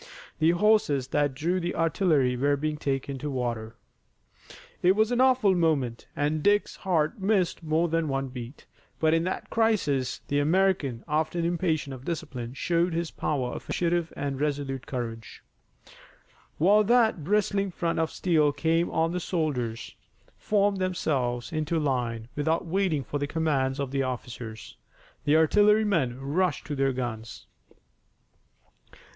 The horses that drew the artillery were being taken to water. It was an awful moment and Dick's heart missed more than one beat, but in that crisis the American, often impatient of discipline, showed his power of initiative and his resolute courage. While that bristling front of steel came on the soldiers formed themselves into line without waiting for the commands of the officers. The artillerymen rushed to their guns.